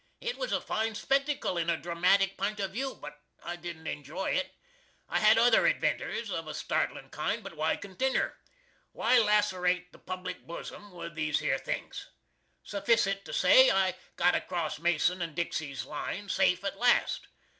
It was a fine spectycal in a dramatic pint of view, but I didn't enjoy it. I had other adventers of a startlin kind, but why continner? Why lasserate the Public Boozum with these here things? Suffysit to say I got across Mason & Dixie's line safe at last.